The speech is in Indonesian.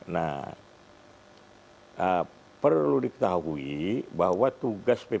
nah perlu diketahui bahwa tugas ppatk